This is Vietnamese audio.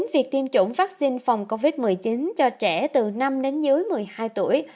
việc tiêm chủng vaccine phòng covid một mươi chín cho trẻ từ năm đến dưới một mươi hai tuổi